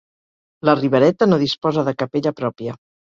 La Ribereta no disposa de capella pròpia.